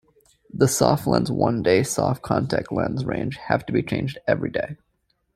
The "SofLens One Day" soft contact lens range have to be changed every day.